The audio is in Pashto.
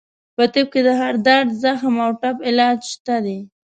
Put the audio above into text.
په طب کې د هر درد، زخم او ټپ علاج شته دی.